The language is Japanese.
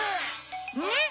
ねっ。